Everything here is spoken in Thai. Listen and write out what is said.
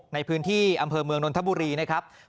ในพื้นที่อำเภอเมืองนนทบุรีนะครับ